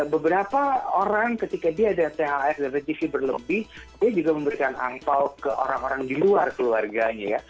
beberapa orang ketika dia ada thrtc berlebih dia juga memberikan angpao ke orang orang di luar keluarganya ya